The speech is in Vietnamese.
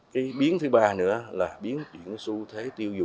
cái biến thứ ba nữa là biến chuyển xuất